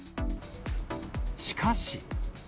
しかし。